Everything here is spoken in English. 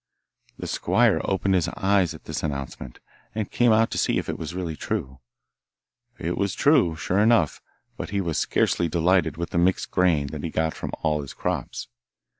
The squire opened his eyes at this announcement; and came out to see if it was really true. It was true, sure enough, but he was scarcely delighted with the mixed grain that he got from all his crops.